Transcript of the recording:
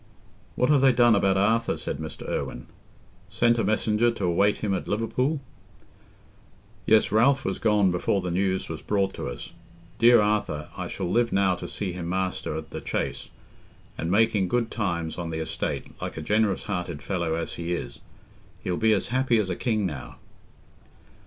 "What have they done about Arthur?" said Mr. Irwine. "Sent a messenger to await him at Liverpool?" "Yes, Ralph was gone before the news was brought to us. Dear Arthur, I shall live now to see him master at the Chase, and making good times on the estate, like a generous hearted fellow as he is. He'll be as happy as a king now."